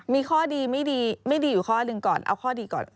มีข้อดีไม่ดีไม่ดีอยู่ข้อหนึ่งก่อนเอาข้อดีก่อน